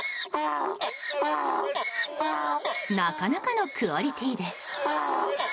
なかなかのクオリティーです。